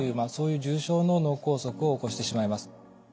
あそういう重症の脳梗塞を起こしてしまいます。